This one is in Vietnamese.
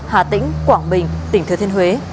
hà tĩnh quảng bình tỉnh thừa thiên huế